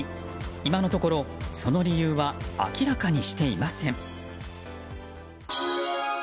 今のところ、その理由は明らかにしていません。